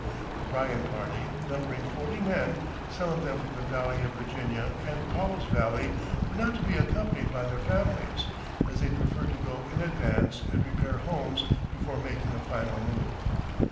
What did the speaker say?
The Bryan party, numbering forty men, some of them from the Valley of Virginia and Powell's Valley, were not to be accompanied by their families, as they preferred to go in advance and prepare homes before making a final move.